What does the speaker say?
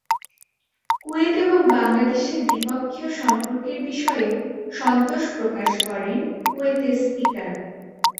Kuwait এবং বাংলাদেশের দ্বিপক্ষীয় সম্পর্কের বিষয়েও সন্তোষ প্রকাশ করেন কুয়েতের স্পিকার।